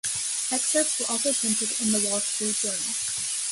Excerpts were also printed in the "Wall Street Journal".